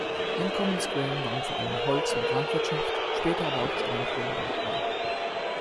Einkommensquellen waren vor allem Holz- und Landwirtschaft, später aber auch Steinkohlebergbau.